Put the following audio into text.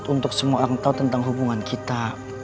untuk semua orang tahu tentang hubungan kita